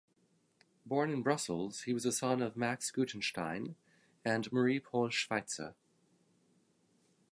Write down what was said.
Born in Brussels, he was a son of Max Guttenstein and Marie-Paule Schweitzer.